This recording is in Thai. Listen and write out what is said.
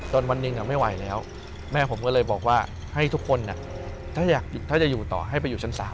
วันหนึ่งไม่ไหวแล้วแม่ผมก็เลยบอกว่าให้ทุกคนถ้าจะอยู่ต่อให้ไปอยู่ชั้น๓